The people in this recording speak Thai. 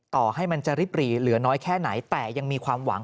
ต่อให้มันจะริบหรี่เหลือน้อยแค่ไหนแต่ยังมีความหวัง